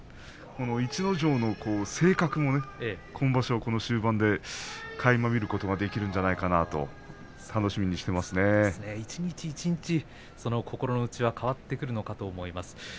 この逸ノ城の性格も今場所終盤でかいま見ることができるんじゃ一日一日、心の内は変わってくるのかと思います。